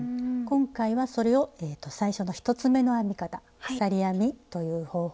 今回はそれを最初の１つ目の編み方鎖編みという方法で作っていきます。